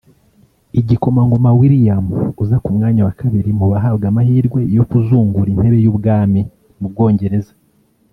Igikomangoma William uza ku mwanya wa kabiri mu bahabwa amahirwe yo kuzungura intebe y’ubwami mu Bwongereza